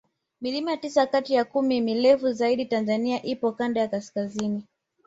milima tisa Kati ya kumi mirefu zaidi tanzania ipo Kanda ya kaskazini